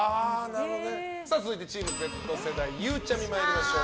続いて、チームＺ世代ゆうちゃみ参りましょう。